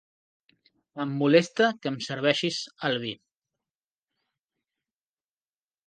Em molesta que em serveixis el vi.